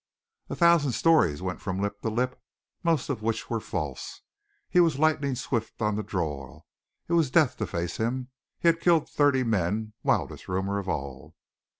A thousand stories went from lip to lip, most of which were false. He was lightning swift on the draw. It was death to face him. He had killed thirty men wildest rumor of all.